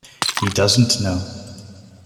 He doesn't know.